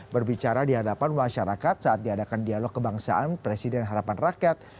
berbicara di hadapan masyarakat saat diadakan dialog kebangsaan presiden harapan rakyat